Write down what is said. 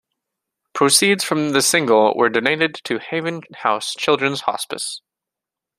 Proceeds from the single were donated to the Haven House Children's Hospice.